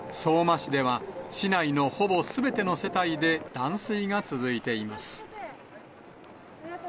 相馬市では、市内のほぼすべての世帯で断水が続いています。